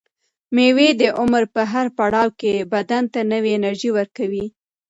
مېوه د عمر په هر پړاو کې بدن ته نوې انرژي ورکوي.